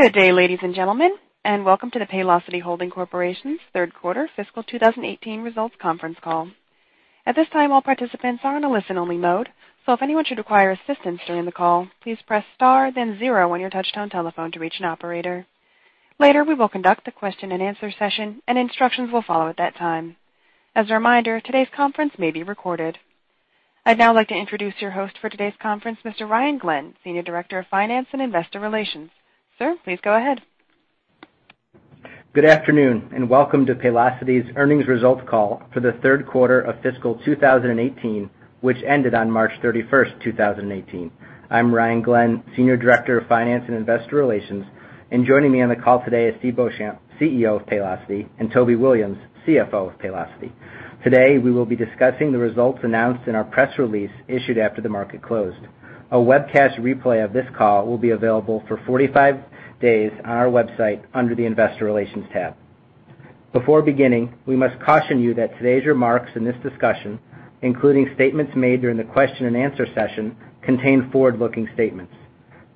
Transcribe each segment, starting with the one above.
Good day, ladies and gentlemen, and welcome to the Paylocity Holding Corporation's third quarter fiscal 2018 results conference call. At this time, all participants are in a listen-only mode. If anyone should require assistance during the call, please press star then zero on your touch-tone telephone to reach an operator. Later, we will conduct a question and answer session and instructions will follow at that time. As a reminder, today's conference may be recorded. I'd now like to introduce your host for today's conference, Mr. Ryan Glenn, Senior Director of Finance and Investor Relations. Sir, please go ahead. Good afternoon, and welcome to Paylocity's earnings results call for the third quarter of fiscal 2018, which ended on March 31st, 2018. I'm Ryan Glenn, Senior Director of Finance and Investor Relations. Joining me on the call today is Steve Beauchamp, CEO of Paylocity, and Toby Williams, CFO of Paylocity. Today, we will be discussing the results announced in our press release issued after the market closed. A webcast replay of this call will be available for 45 days on our website under the investor relations tab. Before beginning, we must caution you that today's remarks in this discussion, including statements made during the question and answer session, contain forward-looking statements.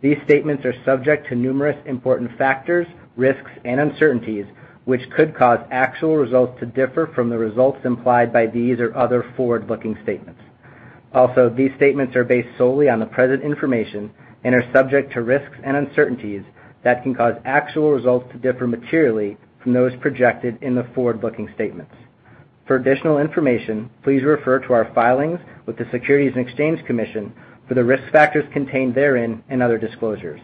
These statements are subject to numerous important factors, risks, and uncertainties, which could cause actual results to differ from the results implied by these or other forward-looking statements. Also, these statements are based solely on the present information and are subject to risks and uncertainties that can cause actual results to differ materially from those projected in the forward-looking statements. For additional information, please refer to our filings with the Securities and Exchange Commission for the risk factors contained therein and other disclosures.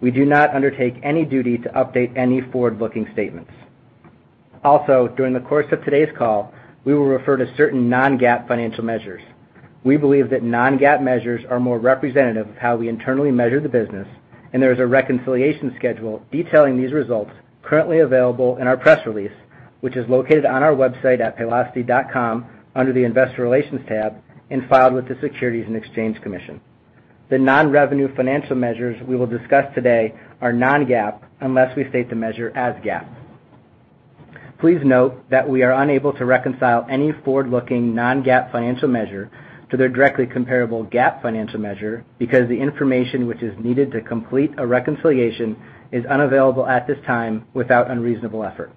We do not undertake any duty to update any forward-looking statements. Also, during the course of today's call, we will refer to certain non-GAAP financial measures. We believe that non-GAAP measures are more representative of how we internally measure the business. There is a reconciliation schedule detailing these results currently available in our press release, which is located on our website at paylocity.com under the investor relations tab and filed with the Securities and Exchange Commission. The non-revenue financial measures we will discuss today are non-GAAP unless we state the measure as GAAP. Please note that we are unable to reconcile any forward-looking non-GAAP financial measure to their directly comparable GAAP financial measure because the information which is needed to complete a reconciliation is unavailable at this time without unreasonable effort.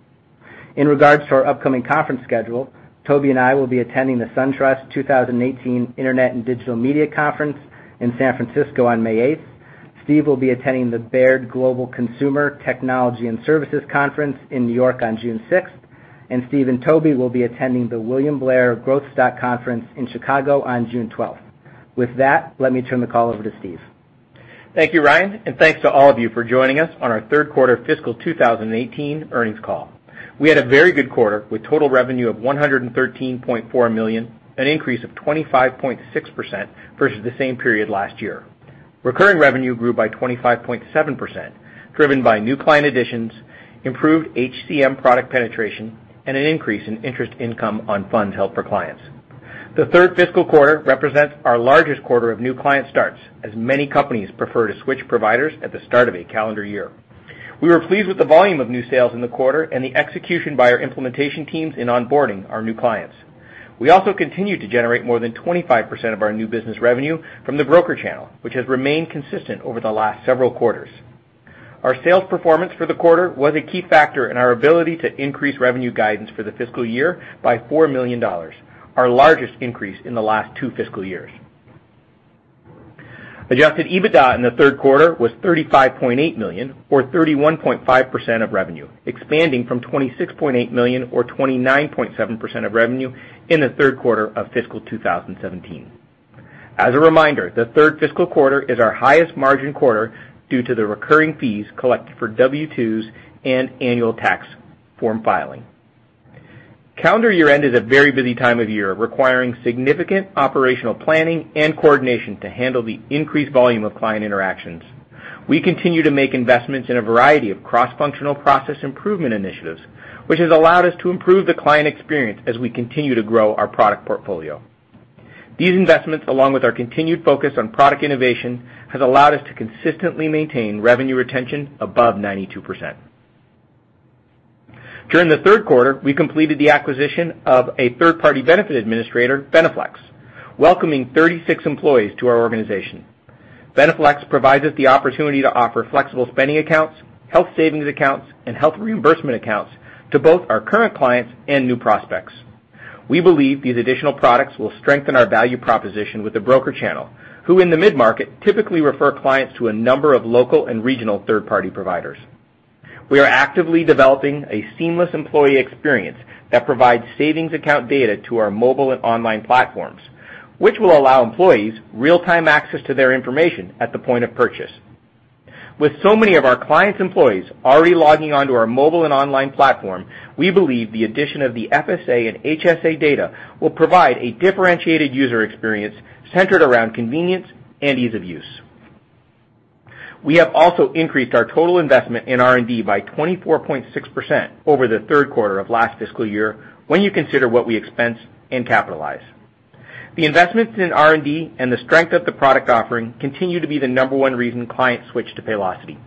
In regards to our upcoming conference schedule, Toby and I will be attending the SunTrust 2018 Internet and Digital Media Conference in San Francisco on May 8th. Steve will be attending the Baird Global Consumer Technology and Services Conference in New York on June 6th. Steve and Toby will be attending the William Blair Growth Stock Conference in Chicago on June 12th. With that, let me turn the call over to Steve. Thank you, Ryan, and thanks to all of you for joining us on our third quarter fiscal 2018 earnings call. We had a very good quarter with total revenue of $113.4 million, an increase of 25.6% versus the same period last year. Recurring revenue grew by 25.7%, driven by new client additions, improved HCM product penetration, and an increase in interest income on funds held for clients. The third fiscal quarter represents our largest quarter of new client starts, as many companies prefer to switch providers at the start of a calendar year. We were pleased with the volume of new sales in the quarter and the execution by our implementation teams in onboarding our new clients. We also continued to generate more than 25% of our new business revenue from the broker channel, which has remained consistent over the last several quarters. Our sales performance for the quarter was a key factor in our ability to increase revenue guidance for the fiscal year by $4 million, our largest increase in the last two fiscal years. Adjusted EBITDA in the third quarter was $35.8 million or 31.5% of revenue, expanding from $26.8 million or 29.7% of revenue in the third quarter of fiscal 2017. As a reminder, the third fiscal quarter is our highest margin quarter due to the recurring fees collected for W-2s and annual tax form filing. Calendar year-end is a very busy time of year, requiring significant operational planning and coordination to handle the increased volume of client interactions. We continue to make investments in a variety of cross-functional process improvement initiatives, which has allowed us to improve the client experience as we continue to grow our product portfolio. These investments, along with our continued focus on product innovation, has allowed us to consistently maintain revenue retention above 92%. During the third quarter, we completed the acquisition of a third-party benefit administrator, BeneFLEX, welcoming 36 employees to our organization. BeneFLEX provides us the opportunity to offer flexible spending accounts, health savings accounts, and health reimbursement accounts to both our current clients and new prospects. We believe these additional products will strengthen our value proposition with the broker channel, who in the mid-market typically refer clients to a number of local and regional third-party providers. We are actively developing a seamless employee experience that provides savings account data to our mobile and online platforms, which will allow employees real-time access to their information at the point of purchase. With so many of our clients' employees already logging on to our mobile and online platform, we believe the addition of the FSA and HSA data will provide a differentiated user experience centered around convenience and ease of use. We have also increased our total investment in R&D by 24.6% over the third quarter of last fiscal year when you consider what we expense and capitalize. The investments in R&D and the strength of the product offering continue to be the number one reason clients switch to Paylocity.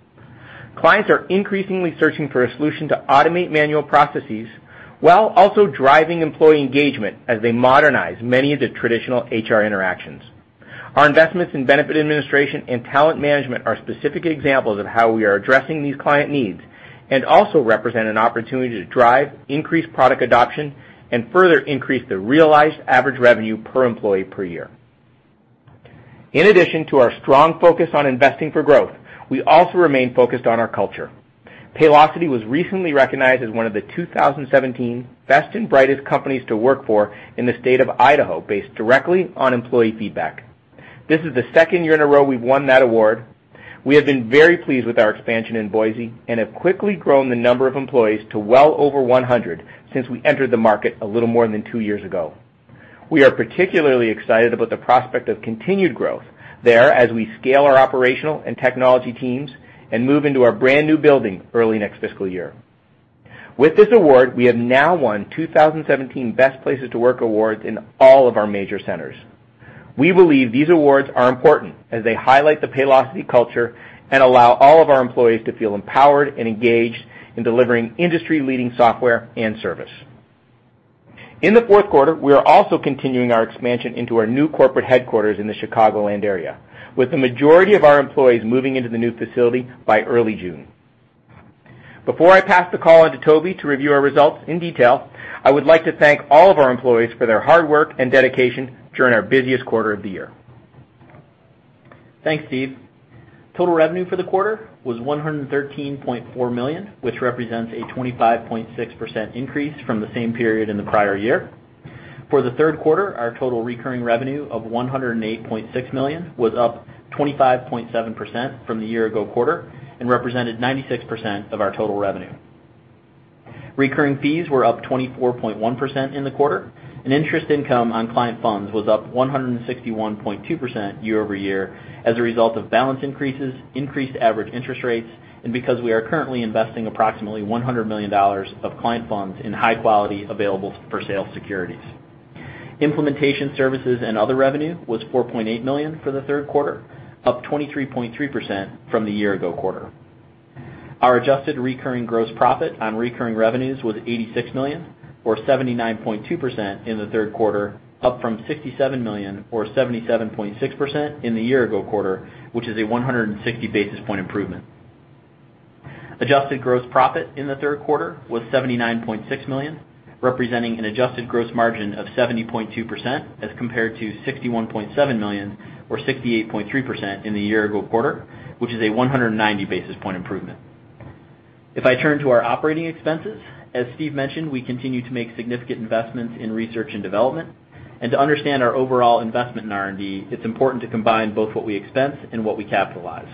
Clients are increasingly searching for a solution to automate manual processes while also driving employee engagement as they modernize many of the traditional HR interactions. Our investments in benefit administration and talent management are specific examples of how we are addressing these client needs and also represent an opportunity to drive increased product adoption and further increase the realized average revenue per employee per year. In addition to our strong focus on investing for growth, we also remain focused on our culture. Paylocity was recently recognized as one of the 2017 Best and Brightest Companies to Work For in the state of Idaho, based directly on employee feedback. This is the second year in a row we've won that award. We have been very pleased with our expansion in Boise and have quickly grown the number of employees to well over 100 since we entered the market a little more than two years ago. We are particularly excited about the prospect of continued growth there as we scale our operational and technology teams and move into our brand-new building early next fiscal year. With this award, we have now won 2017 Best Places to Work awards in all of our major centers. We believe these awards are important as they highlight the Paylocity culture and allow all of our employees to feel empowered and engaged in delivering industry-leading software and service. In the fourth quarter, we are also continuing our expansion into our new corporate headquarters in the Chicagoland area, with the majority of our employees moving into the new facility by early June. Before I pass the call on to Toby to review our results in detail, I would like to thank all of our employees for their hard work and dedication during our busiest quarter of the year. Thanks, Steve. Total revenue for the quarter was $113.4 million, which represents a 25.6% increase from the same period in the prior year. For the third quarter, our total recurring revenue of $108.6 million was up 25.7% from the year-ago quarter and represented 96% of our total revenue. Recurring fees were up 24.1% in the quarter, and interest income on client funds was up 161.2% year-over-year as a result of balance increases, increased average interest rates, and because we are currently investing approximately $100 million of client funds in high-quality available-for-sale securities. Implementation services and other revenue was $4.8 million for the third quarter, up 23.3% from the year-ago quarter. Our adjusted recurring gross profit on recurring revenues was $86 million, or 79.2% in the third quarter, up from $67 million or 77.6% in the year-ago quarter, which is a 160-basis point improvement. Adjusted gross profit in the third quarter was $79.6 million, representing an adjusted gross margin of 70.2%, as compared to $61.7 million or 68.3% in the year-ago quarter, which is a 190-basis point improvement. If I turn to our operating expenses, as Steve mentioned, we continue to make significant investments in research and development. To understand our overall investment in R&D, it's important to combine both what we expense and what we capitalize.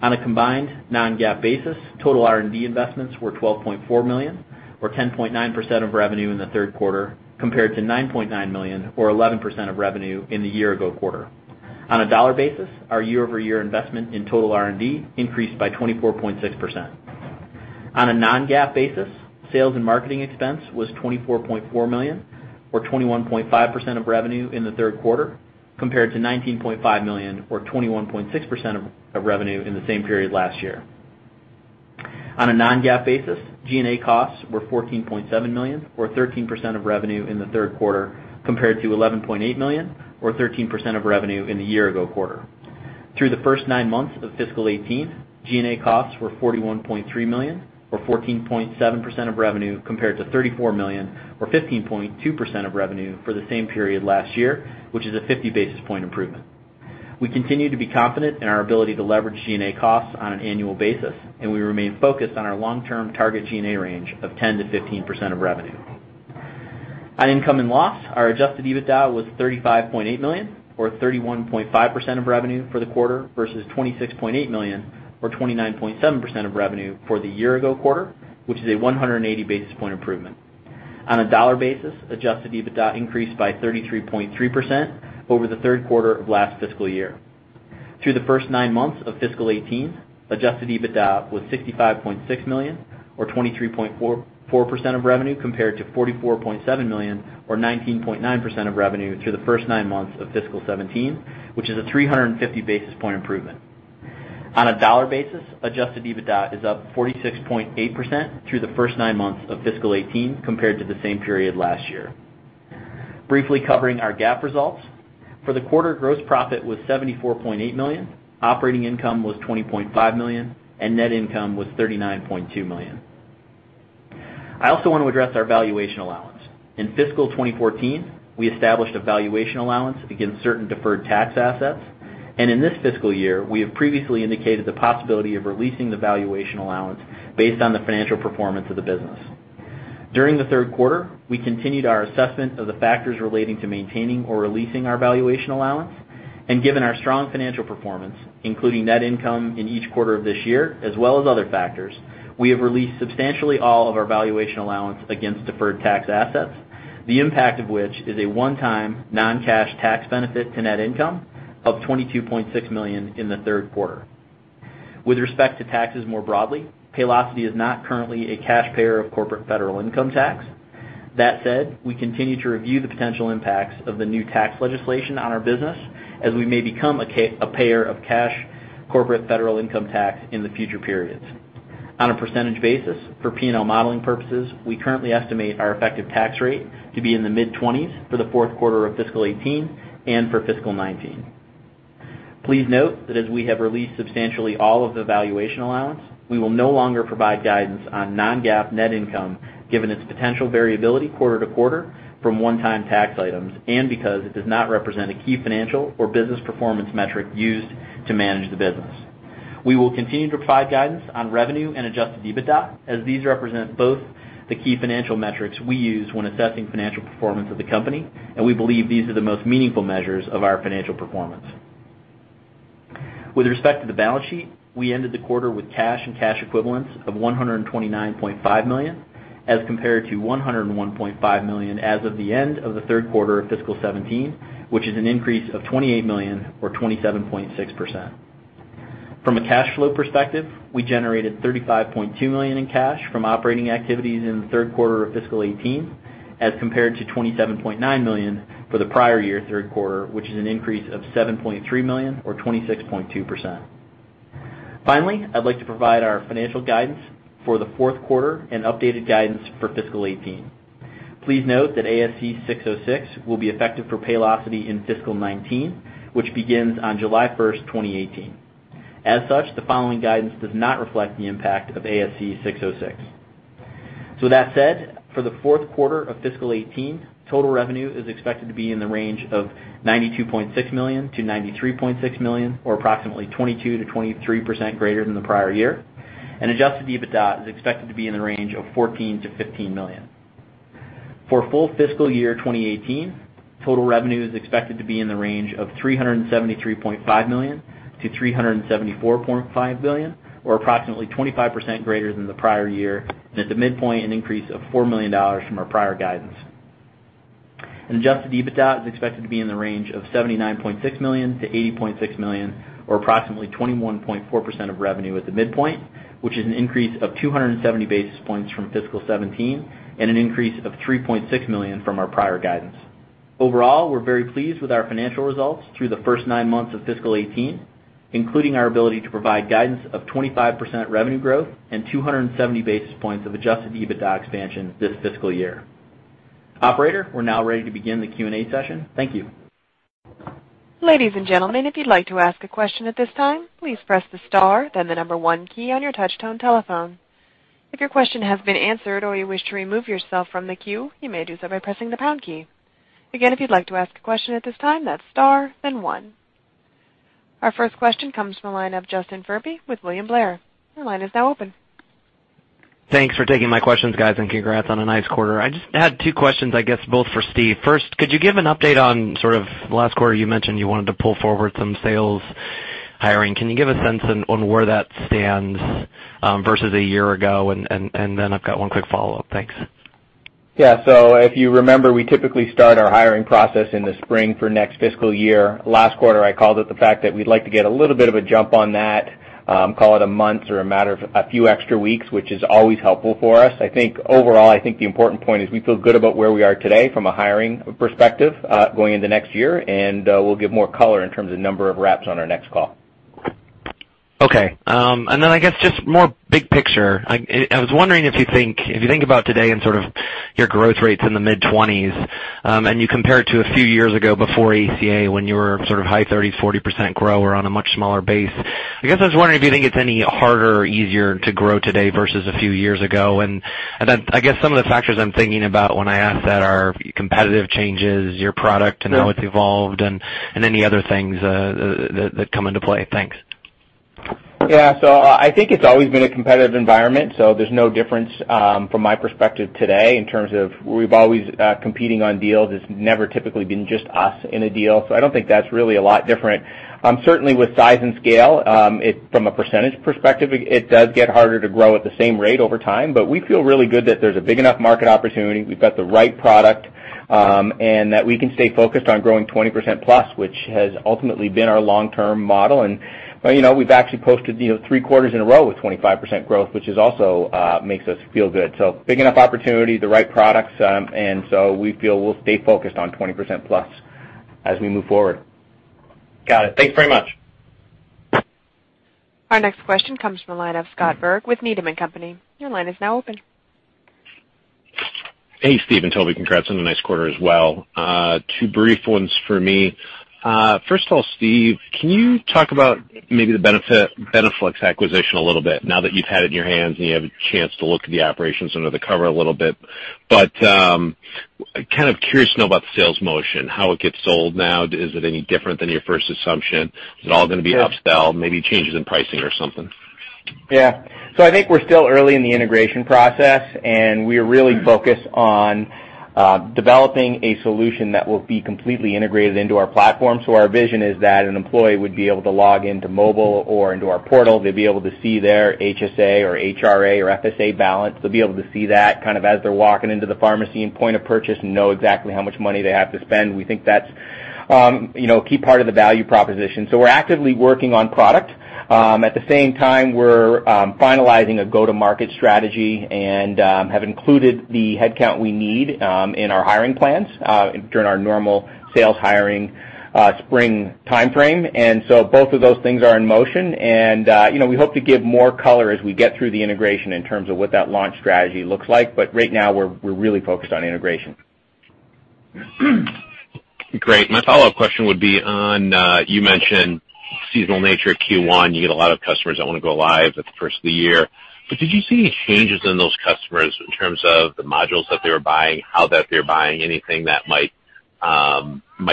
On a combined non-GAAP basis, total R&D investments were $12.4 million or 10.9% of revenue in the third quarter, compared to $9.9 million or 11% of revenue in the year-ago quarter. On a dollar basis, our year-over-year investment in total R&D increased by 24.6%. On a non-GAAP basis, sales and marketing expense was $24.4 million or 21.5% of revenue in the third quarter, compared to $19.5 million or 21.6% of revenue in the same period last year. On a non-GAAP basis, G&A costs were $14.7 million or 13% of revenue in the third quarter, compared to $11.8 million or 13% of revenue in the year-ago quarter. Through the first nine months of fiscal 2018, G&A costs were $41.3 million or 14.7% of revenue, compared to $34 million or 15.2% of revenue for the same period last year, which is a 50-basis point improvement. We continue to be confident in our ability to leverage G&A costs on an annual basis, and we remain focused on our long-term target G&A range of 10%-15% of revenue. On income and loss, our adjusted EBITDA was $35.8 million or 31.5% of revenue for the quarter versus $26.8 million or 29.7% of revenue for the year-ago quarter, which is a 180-basis point improvement. On a dollar basis, adjusted EBITDA increased by 33.3% over the third quarter of last fiscal year. Through the first nine months of fiscal 2018, adjusted EBITDA was $65.6 million or 23.4% of revenue compared to $44.7 million or 19.9% of revenue through the first nine months of fiscal 2017, which is a 350-basis point improvement. On a dollar basis, adjusted EBITDA is up 46.8% through the first nine months of fiscal 2018 compared to the same period last year. Briefly covering our GAAP results. For the quarter, gross profit was $74.8 million, operating income was $20.5 million, and net income was $39.2 million. I also want to address our valuation allowance. In fiscal 2014, we established a valuation allowance against certain deferred tax assets. In this fiscal year, we have previously indicated the possibility of releasing the valuation allowance based on the financial performance of the business. During the third quarter, we continued our assessment of the factors relating to maintaining or releasing our valuation allowance. Given our strong financial performance, including net income in each quarter of this year, as well as other factors, we have released substantially all of our valuation allowance against deferred tax assets, the impact of which is a one-time non-cash tax benefit to net income of $22.6 million in the third quarter. With respect to taxes more broadly, Paylocity is not currently a cash payer of corporate federal income tax. That said, we continue to review the potential impacts of the new tax legislation on our business as we may become a payer of cash corporate federal income tax in the future periods. On a percentage basis for P&L modeling purposes, we currently estimate our effective tax rate to be in the mid-20s for the fourth quarter of fiscal 2018 and for fiscal 2019. Please note that as we have released substantially all of the valuation allowance, we will no longer provide guidance on non-GAAP net income given its potential variability quarter-to-quarter from one-time tax items and because it does not represent a key financial or business performance metric used to manage the business. We will continue to provide guidance on revenue and adjusted EBITDA as these represent both the key financial metrics we use when assessing financial performance of the company, and we believe these are the most meaningful measures of our financial performance. With respect to the balance sheet, we ended the quarter with cash and cash equivalents of $129.5 million as compared to $101.5 million as of the end of the third quarter of fiscal 2017, which is an increase of $28 million or 27.6%. From a cash flow perspective, we generated $35.2 million in cash from operating activities in the third quarter of fiscal 2018 as compared to $27.9 million for the prior year third quarter, which is an increase of $7.3 million or 26.2%. Finally, I'd like to provide our financial guidance for the fourth quarter and updated guidance for fiscal 2018. Please note that ASC 606 will be effective for Paylocity in fiscal 2019, which begins on July 1st, 2018. As such, the following guidance does not reflect the impact of ASC 606. For the fourth quarter of fiscal 2018, total revenue is expected to be in the range of $92.6 million-$93.6 million or approximately 22%-23% greater than the prior year. Adjusted EBITDA is expected to be in the range of $14 million-$15 million. For full fiscal year 2018, total revenue is expected to be in the range of $373.5 million-$374.5 million or approximately 25% greater than the prior year, and at the midpoint an increase of $4 million from our prior guidance. Adjusted EBITDA is expected to be in the range of $79.6 million-$80.6 million or approximately 21.4% of revenue at the midpoint, which is an increase of 270 basis points from fiscal 2017 and an increase of $3.6 million from our prior guidance. Overall, we're very pleased with our financial results through the first nine months of fiscal 2018, including our ability to provide guidance of 25% revenue growth and 270 basis points of adjusted EBITDA expansion this fiscal year. Operator, we're now ready to begin the Q&A session. Thank you. Ladies and gentlemen, if you'd like to ask a question at this time, please press the star then the number one key on your touchtone telephone. If your question has been answered or you wish to remove yourself from the queue, you may do so by pressing the pound key. Again, if you'd like to ask a question at this time, that's star then one. Our first question comes from the line of Justin Furby with William Blair. Your line is now open. Thanks for taking my questions, guys, and congrats on a nice quarter. I just had two questions, I guess both for Steve. First, could you give an update on sort of last quarter you mentioned you wanted to pull forward some sales hiring. Can you give a sense on where that stands versus a year ago? I've got one quick follow-up. Thanks. Yeah. If you remember, we typically start our hiring process in the spring for next fiscal year. Last quarter, I called out the fact that we'd like to get a little bit of a jump on that, call it a month or a matter of a few extra weeks, which is always helpful for us. I think overall, I think the important point is we feel good about where we are today from a hiring perspective going into next year, and we'll give more color in terms of number of reps on our next call. Okay. I guess just more big picture. I was wondering if you think about today and sort of your growth rate's in the mid-20s, and you compare it to a few years ago before ACA when you were sort of high 30s, 40% grower on a much smaller base. I guess I was wondering if you think it's any harder or easier to grow today versus a few years ago. I guess some of the factors I'm thinking about when I ask that are competitive changes, your product and how it's evolved and any other things that come into play. Thanks. Yeah. I think it's always been a competitive environment, so there's no difference from my perspective today in terms of we've always competing on deals. It's never typically been just us in a deal. I don't think that's really a lot different. Certainly with size and scale, from a percentage perspective, it does get harder to grow at the same rate over time. We feel really good that there's a big enough market opportunity. We've got the right product, and that we can stay focused on growing 20% plus, which has ultimately been our long-term model. We've actually posted three quarters in a row with 25% growth, which is also makes us feel good. Big enough opportunity, the right products, and so we feel we'll stay focused on 20% plus as we move forward. Got it. Thank you very much. Our next question comes from the line of Scott Berg with Needham & Company. Your line is now open. Hey, Steve and Toby, congrats on a nice quarter as well. Two brief ones for me. First of all, Steve, can you talk about maybe the BeneFLEX acquisition a little bit now that you've had it in your hands and you have a chance to look at the operations under the cover a little bit. Kind of curious to know about the sales motion, how it gets sold now. Is it any different than your first assumption? Is it all going to be up-sell? Maybe changes in pricing or something. Yeah. I think we're still early in the integration process, and we are really focused on developing a solution that will be completely integrated into our platform. Our vision is that an employee would be able to log into mobile or into our portal. They'd be able to see their HSA or HRA or FSA balance. They'll be able to see that kind of as they're walking into the pharmacy and point of purchase and know exactly how much money they have to spend. We think that's a key part of the value proposition. We're actively working on product. At the same time, we're finalizing a go-to-market strategy and have included the headcount we need in our hiring plans during our normal sales hiring spring timeframe. Both of those things are in motion, and we hope to give more color as we get through the integration in terms of what that launch strategy looks like. Right now we're really focused on integration. Great. My follow-up question would be on, you mentioned seasonal nature of Q1. You get a lot of customers that want to go live at the first of the year. Did you see any changes in those customers in terms of the modules that they were buying, how that they're buying, anything that might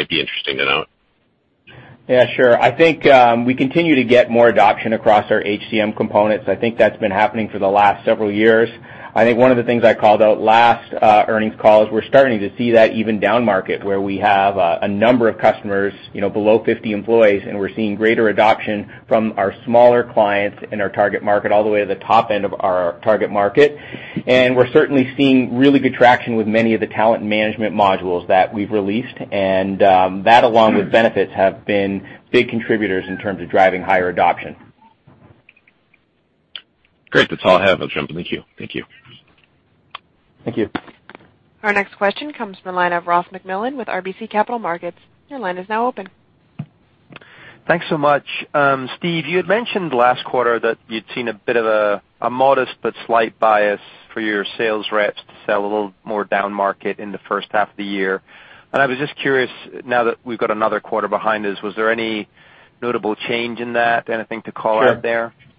be interesting to note? Yeah, sure. We continue to get more adoption across our HCM components. That's been happening for the last several years. One of the things I called out last earnings call is we're starting to see that even down-market, where we have a number of customers below 50 employees, and we're seeing greater adoption from our smaller clients in our target market, all the way to the top end of our target market. We're certainly seeing really good traction with many of the talent management modules that we've released. That, along with benefits, have been big contributors in terms of driving higher adoption. Great. That's all I have. I'll jump in the queue. Thank you. Thank you. Our next question comes from the line of Ross MacMillan with RBC Capital Markets. Your line is now open. Thanks so much. Steve, you had mentioned last quarter that you'd seen a bit of a modest but slight bias for your sales reps to sell a little more down-market in the first half of the year. I was just curious, now that we've got another quarter behind us, was there any notable change in that? Anything to call out there? Sure.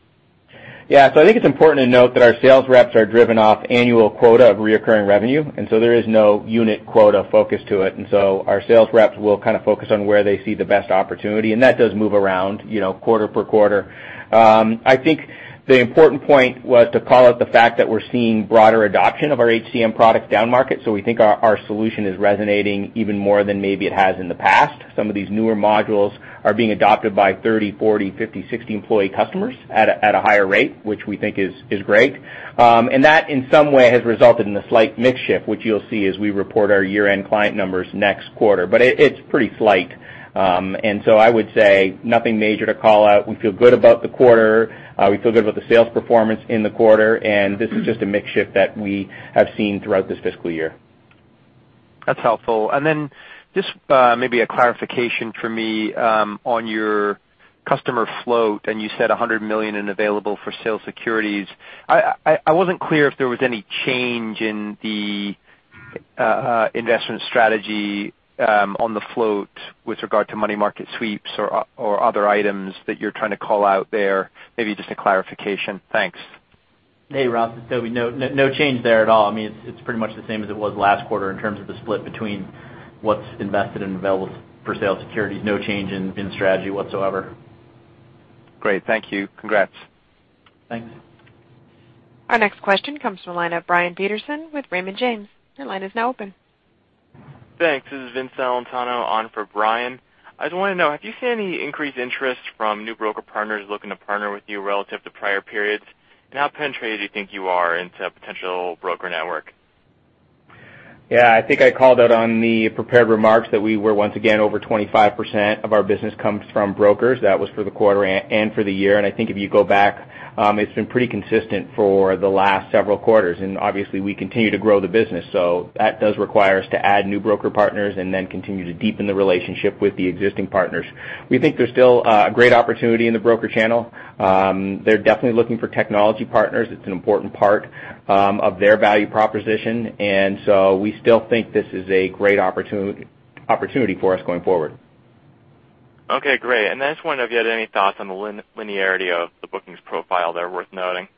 Yeah, I think it's important to note that our sales reps are driven off annual quota of recurring revenue, there is no unit quota focus to it. Our sales reps will focus on where they see the best opportunity, and that does move around quarter per quarter. I think the important point was to call out the fact that we're seeing broader adoption of our HCM products down market. We think our solution is resonating even more than maybe it has in the past. Some of these newer modules are being adopted by 30, 40, 50, 60 employee customers at a higher rate, which we think is great. That, in some way, has resulted in a slight mix shift, which you'll see as we report our year-end client numbers next quarter. It's pretty slight. I would say nothing major to call out. We feel good about the quarter. We feel good about the sales performance in the quarter, this is just a mix shift that we have seen throughout this fiscal year. That's helpful. Then, just maybe a clarification for me on your customer float, you said $100 million in available for sale securities. I wasn't clear if there was any change in the investment strategy on the float with regard to money market sweeps or other items that you're trying to call out there, maybe just a clarification. Thanks. Hey, Ross, it's Toby. No change there at all. It's pretty much the same as it was last quarter in terms of the split between what's invested in available for sale securities. No change in strategy whatsoever. Great. Thank you. Congrats. Thanks. Our next question comes from the line of Brian Peterson with Raymond James. Your line is now open. Thanks. This is Vincent Celentano on for Brian. I just want to know, have you seen any increased interest from new broker partners looking to partner with you relative to prior periods? How penetrated do you think you are into potential broker network? Yeah, I think I called out on the prepared remarks that we were, once again, over 25% of our business comes from brokers. That was for the quarter and for the year. I think if you go back, it's been pretty consistent for the last several quarters. Obviously, we continue to grow the business, so that does require us to add new broker partners and then continue to deepen the relationship with the existing partners. We think there's still a great opportunity in the broker channel. They're definitely looking for technology partners. It's an important part of their value proposition, so we still think this is a great opportunity for us going forward. Okay, great. I just wonder if you had any thoughts on the linearity of the bookings profile that are worth noting.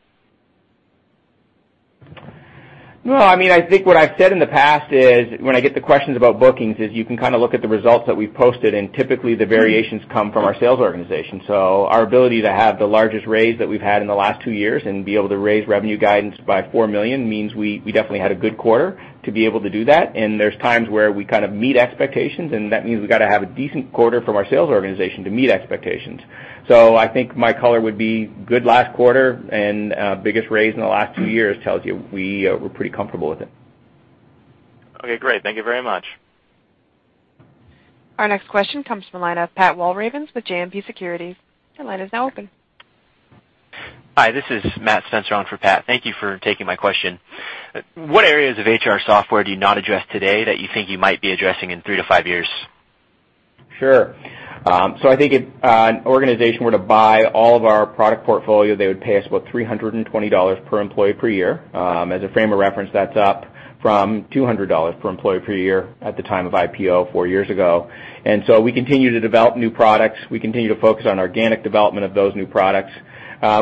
No, I think what I've said in the past is, when I get the questions about bookings, is you can look at the results that we've posted, and typically, the variations come from our sales organization. Our ability to have the largest raise that we've had in the last two years and be able to raise revenue guidance by $4 million means we definitely had a good quarter to be able to do that. There's times where we meet expectations, and that means we've got to have a decent quarter from our sales organization to meet expectations. I think my color would be good last quarter and biggest raise in the last two years tells you we're pretty comfortable with it. Okay, great. Thank you very much. Our next question comes from the line of Pat Walravens with JMP Securities. Your line is now open. Hi, this is Mathew Spencer on for Pat. Thank you for taking my question. What areas of HR software do you not address today that you think you might be addressing in 3 to 5 years? Sure. I think if an organization were to buy all of our product portfolio, they would pay us about $320 per employee per year. As a frame of reference, that's up from $200 per employee per year at the time of IPO four years ago. We continue to develop new products. We continue to focus on organic development of those new products.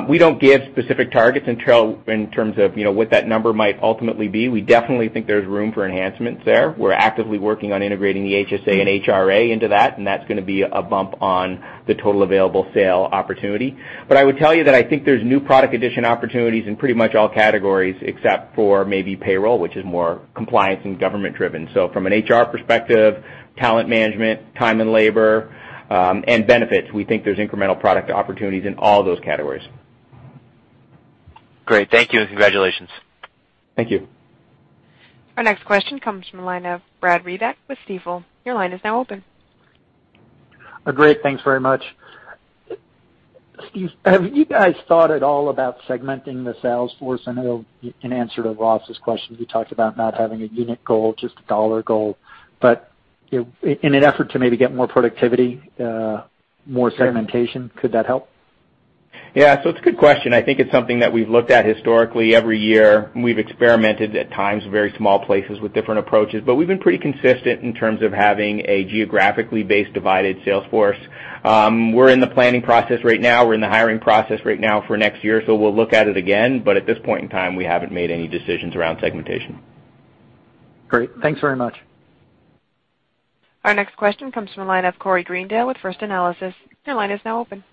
We don't give specific targets in terms of what that number might ultimately be. We definitely think there's room for enhancements there. We're actively working on integrating the HSA and HRA into that's going to be a bump on the total available sale opportunity. I would tell you that I think there's new product addition opportunities in pretty much all categories except for maybe payroll, which is more compliance and government-driven. From an HR perspective, talent management, time and labor, and benefits, we think there's incremental product opportunities in all those categories. Great. Thank you, and congratulations. Thank you. Our next question comes from the line of Brad Reback with Stifel. Your line is now open. Great. Thanks very much. Steve, have you guys thought at all about segmenting the sales force? I know in answer to Ross's question, you talked about not having a unit goal, just a dollar goal. In an effort to maybe get more productivity, more segmentation, could that help? Yeah. It's a good question. I think it's something that we've looked at historically every year, we've experimented at times, very small places with different approaches. We've been pretty consistent in terms of having a geographically based divided sales force. We're in the planning process right now. We're in the hiring process right now for next year, we'll look at it again. At this point in time, we haven't made any decisions around segmentation. Great. Thanks very much. Our next question comes from the line of Corey Greendale with First Analysis. Your line is now open.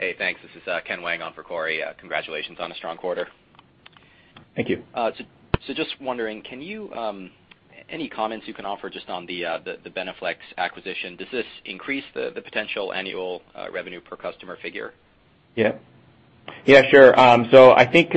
Hey, thanks. This is Ken Wang on for Corey. Congratulations on a strong quarter. Thank you. Just wondering, any comments you can offer just on the BeneFLEX acquisition? Does this increase the potential annual revenue per customer figure? Yeah. Sure. I think,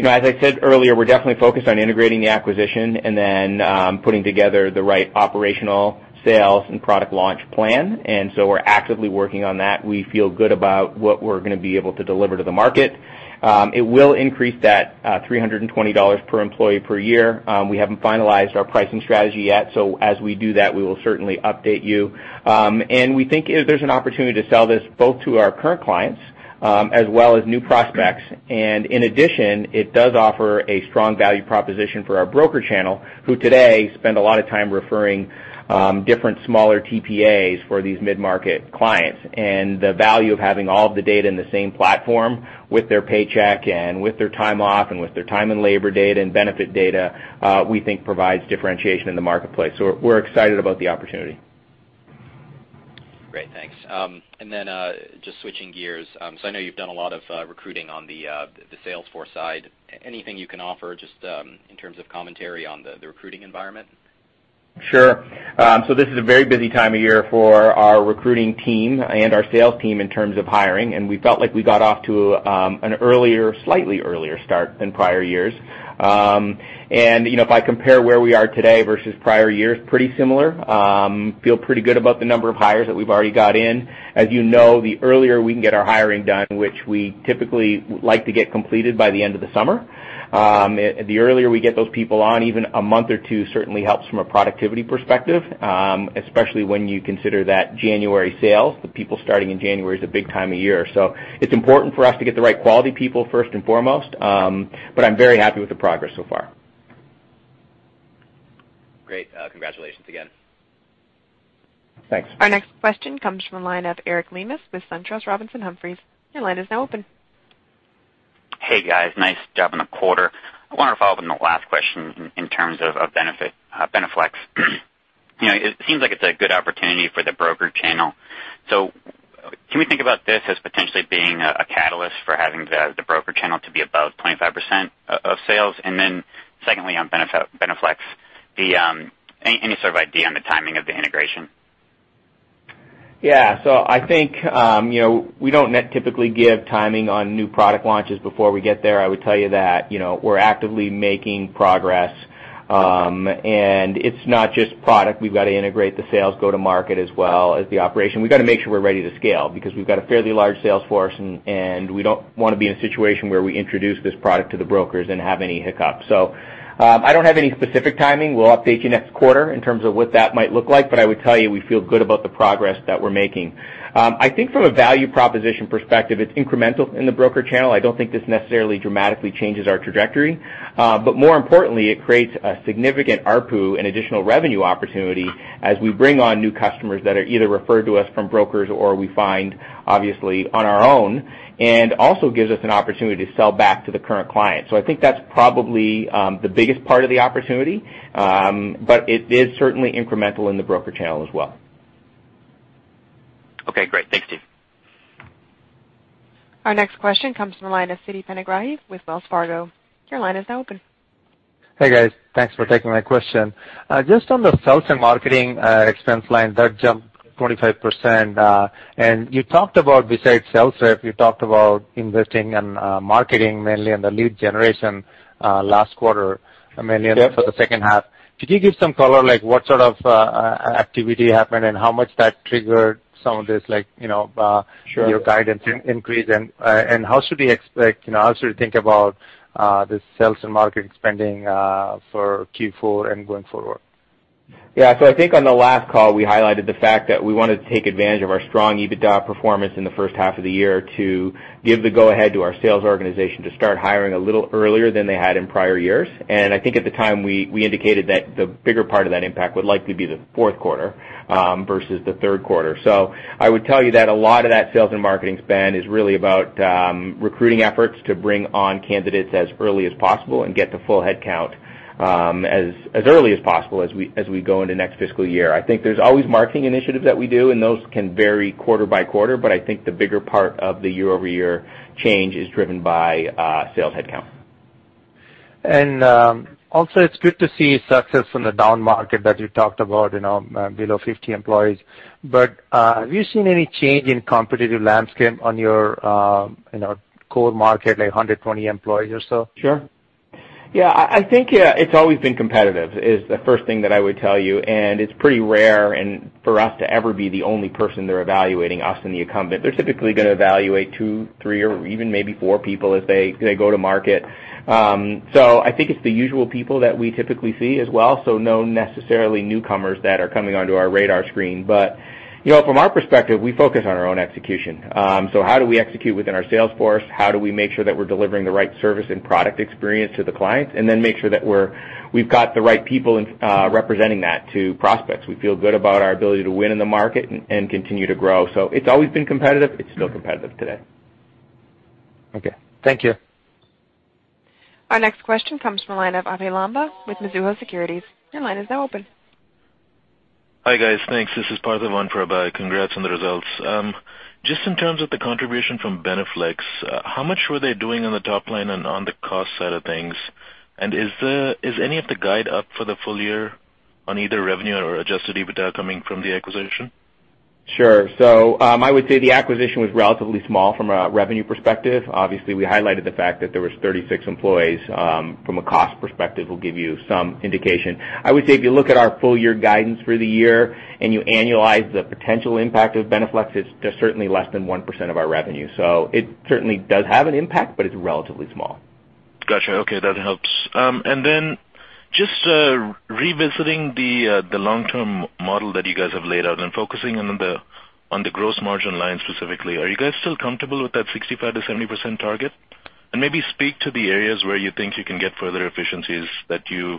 as I said earlier, we're definitely focused on integrating the acquisition and then putting together the right operational sales and product launch plan. We're actively working on that. We feel good about what we're going to be able to deliver to the market. It will increase that $320 per employee per year. We haven't finalized our pricing strategy yet, as we do that, we will certainly update you. We think there's an opportunity to sell this both to our current clients, as well as new prospects. In addition, it does offer a strong value proposition for our broker channel, who today spend a lot of time referring different smaller TPAs for these mid-market clients. The value of having all of the data in the same platform with their paycheck and with their time off and with their time and labor data and benefit data, we think provides differentiation in the marketplace. We're excited about the opportunity. Great, thanks. Then, just switching gears, I know you've done a lot of recruiting on the Salesforce side. Anything you can offer just in terms of commentary on the recruiting environment? Sure. This is a very busy time of year for our recruiting team and our sales team in terms of hiring. We felt like we got off to an slightly earlier start than prior years. If I compare where we are today versus prior years, pretty similar. Feel pretty good about the number of hires that we've already got in. As you know, the earlier we can get our hiring done, which we typically like to get completed by the end of the summer. The earlier we get those people on, even a month or two, certainly helps from a productivity perspective, especially when you consider that January sales, the people starting in January is a big time of year. It's important for us to get the right quality people first and foremost. I'm very happy with the progress so far. Great. Congratulations again. Thanks. Our next question comes from the line of Eric Lemus with SunTrust Robinson Humphrey. Your line is now open. Hey, guys. Nice job on the quarter. I want to follow up on the last question in terms of BeneFLEX. It seems like it's a good opportunity for the broker channel. Can we think about this as potentially being a catalyst for having the broker channel to be above 25% of sales? Secondly, on BeneFLEX, any sort of idea on the timing of the integration? Yeah. I think, we don't typically give timing on new product launches before we get there. I would tell you that we're actively making progress. It's not just product. We've got to integrate the sales go to market as well as the operation. We've got to make sure we're ready to scale because we've got a fairly large sales force, and we don't want to be in a situation where we introduce this product to the brokers and have any hiccups. I don't have any specific timing. We'll update you next quarter in terms of what that might look like, but I would tell you we feel good about the progress that we're making. I think from a value proposition perspective, it's incremental in the broker channel. I don't think this necessarily dramatically changes our trajectory. More importantly, it creates a significant ARPU and additional revenue opportunity as we bring on new customers that are either referred to us from brokers or we find, obviously, on our own, and also gives us an opportunity to sell back to the current client. I think that's probably the biggest part of the opportunity. It is certainly incremental in the broker channel as well. Okay, great. Thanks, Steve. Our next question comes from the line of Siti Panigrahi with Wells Fargo. Your line is now open. Hey, guys. Thanks for taking my question. Just on the sales and marketing expense line, that jumped 25%. Besides SalesLoft, you talked about investing in marketing mainly in the lead generation last quarter. Yep for the second half. Could you give some color, like what sort of activity happened and how much that triggered some of this, Sure your guidance increase and how should we think about the sales and marketing spending for Q4 and going forward? Yeah. I think on the last call, we highlighted the fact that we wanted to take advantage of our strong EBITDA performance in the first half of the year to give the go-ahead to our sales organization to start hiring a little earlier than they had in prior years. I think at the time, we indicated that the bigger part of that impact would likely be the fourth quarter versus the third quarter. I would tell you that a lot of that sales and marketing spend is really about recruiting efforts to bring on candidates as early as possible and get to full headcount as early as possible as we go into next fiscal year. I think there's always marketing initiatives that we do, and those can vary quarter by quarter, but I think the bigger part of the year-over-year change is driven by sales headcount. Also, it's good to see success from the downmarket that you talked about, below 50 employees. Have you seen any change in competitive landscape on your core market, like 120 employees or so? Sure. I think it's always been competitive, is the first thing that I would tell you, and it's pretty rare for us to ever be the only person they're evaluating, us and the incumbent. They're typically going to evaluate two, three, or even maybe four people as they go to market. I think it's the usual people that we typically see as well. No necessarily newcomers that are coming onto our radar screen. From our perspective, we focus on our own execution. How do we execute within our sales force? How do we make sure that we're delivering the right service and product experience to the clients? Make sure that we've got the right people representing that to prospects. We feel good about our ability to win in the market and continue to grow. It's always been competitive. It's still competitive today. Okay. Thank you. Our next question comes from the line of Abhey Lamba with Mizuho Securities. Your line is now open. Hi, guys. Thanks. This is Parthivan for Abhi. Congrats on the results. Just in terms of the contribution from BeneFLEX, how much were they doing on the top line and on the cost side of things? Is any of the guide up for the full year on either revenue or adjusted EBITDA coming from the acquisition? Sure. I would say the acquisition was relatively small from a revenue perspective. Obviously, we highlighted the fact that there was 36 employees, from a cost perspective, will give you some indication. I would say, if you look at our full-year guidance for the year and you annualize the potential impact of BeneFLEX, it's certainly less than 1% of our revenue. It certainly does have an impact, but it's relatively small. Got you. Okay. That helps. Then just revisiting the long-term model that you guys have laid out and focusing on the gross margin line specifically, are you guys still comfortable with that 65%-70% target? Maybe speak to the areas where you think you can get further efficiencies that you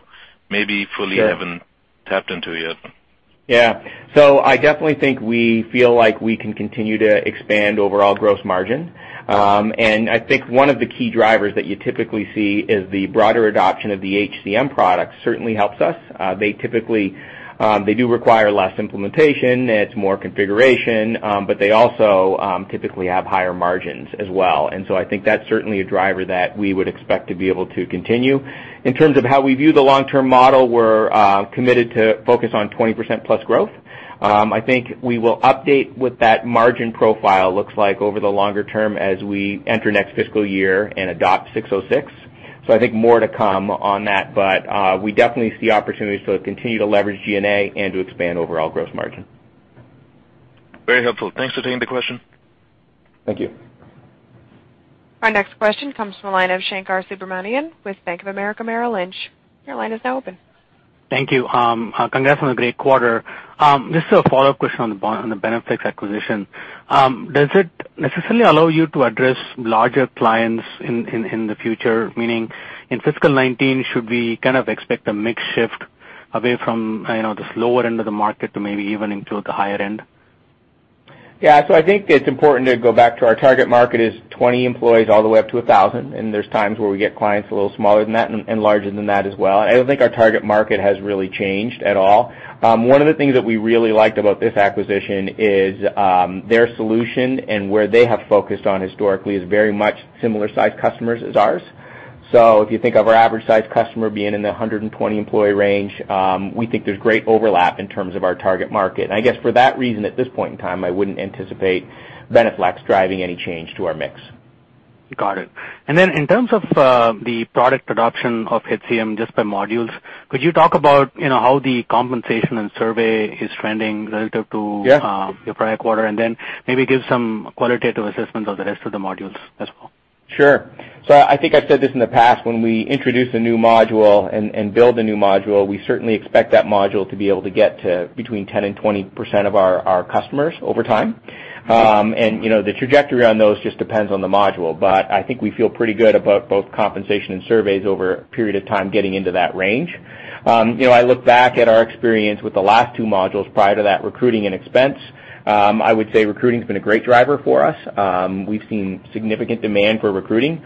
maybe fully haven't tapped into yet. Yeah. I definitely think we feel like we can continue to expand overall gross margin. I think one of the key drivers that you typically see is the broader adoption of the HCM product certainly helps us. They do require less implementation, it's more configuration, they also typically have higher margins as well. I think that's certainly a driver that we would expect to be able to continue. In terms of how we view the long-term model, we're committed to focus on 20% plus growth. I think we will update what that margin profile looks like over the longer term as we enter next fiscal year and adopt 606. I think more to come on that, we definitely see opportunities to continue to leverage G&A and to expand overall gross margin. Very helpful. Thanks for taking the question. Thank you. Our next question comes from the line of Shankar Subramanian with Bank of America Merrill Lynch. Your line is now open. Thank you. Congrats on a great quarter. Just a follow-up question on the BeneFLEX acquisition. Does it necessarily allow you to address larger clients in the future? Meaning in fiscal 2019, should we expect a mix shift away from the slower end of the market to maybe even into the higher end? Yeah. I think it's important to go back to our target market is 20 employees all the way up to 1,000, and there's times where we get clients a little smaller than that and larger than that as well. I don't think our target market has really changed at all. One of the things that we really liked about this acquisition is their solution and where they have focused on historically is very much similar sized customers as ours. If you think of our average size customer being in the 120 employee range, we think there's great overlap in terms of our target market. I guess for that reason, at this point in time, I wouldn't anticipate BeneFLEX driving any change to our mix. Got it. In terms of the product adoption of HCM, just by modules, could you talk about how the compensation and survey is trending relative to- Yeah your prior quarter, maybe give some qualitative assessment of the rest of the modules as well. Sure. I think I've said this in the past, when we introduce a new module and build a new module, we certainly expect that module to be able to get to between 10% and 20% of our customers over time. Okay. The trajectory on those just depends on the module. I think we feel pretty good about both compensation and surveys over a period of time getting into that range. I look back at our experience with the last two modules prior to that, recruiting and expense. I would say recruiting's been a great driver for us. We've seen significant demand for recruiting.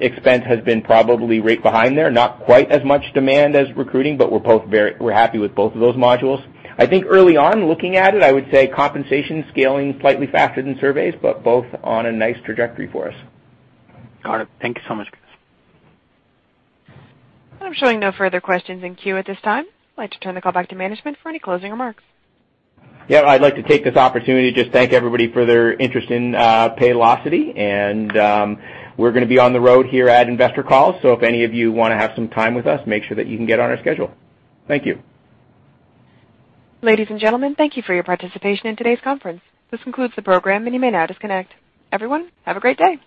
Expense has been probably right behind there. Not quite as much demand as recruiting, but we're happy with both of those modules. I think early on looking at it, I would say compensation scaling slightly faster than surveys, but both on a nice trajectory for us. Got it. Thank you so much. I'm showing no further questions in queue at this time. I'd like to turn the call back to management for any closing remarks. I'd like to take this opportunity to just thank everybody for their interest in Paylocity. We're going to be on the road here at investor calls, so if any of you want to have some time with us, make sure that you can get on our schedule. Thank you. Ladies and gentlemen, thank you for your participation in today's conference. This concludes the program, and you may now disconnect. Everyone, have a great day.